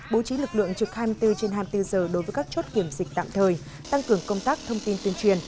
bố trí lực lượng trực hai mươi bốn trên hai mươi bốn giờ đối với các chốt kiểm dịch tạm thời tăng cường công tác thông tin tuyên truyền